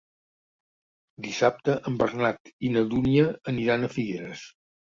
Dissabte en Bernat i na Dúnia aniran a Figueres.